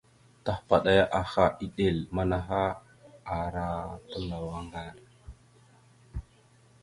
Tahəpaɗaya aha, eɗel manaha ara talaw aŋgar.